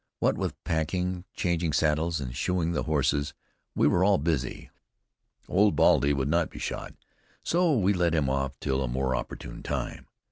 What with packing, changing saddles and shoeing the horses, we were all busy. Old Baldy would not be shod, so we let him off till a more opportune time.